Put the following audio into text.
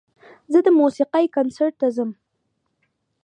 زه د موسیقۍ کنسرت ته ځم.